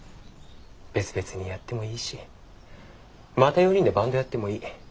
別々にやってもいいしまた４人でバンドやってもいい。